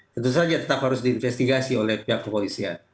tentu saja tetap harus diinvestigasi oleh pihak kepolisian